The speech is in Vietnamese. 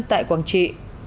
tại quảng trị